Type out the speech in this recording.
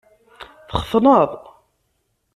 Txetneḍ?